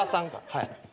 はい。